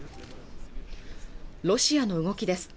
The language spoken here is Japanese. ロシアの動きです